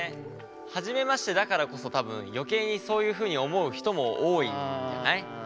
初めましてだからこそ多分余計にそういうふうに思う人も多いんじゃない。